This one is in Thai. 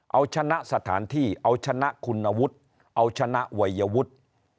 เอาชนะสถานที่เอาชนะคุณวุฒิเอาชนะวัยวุฒิ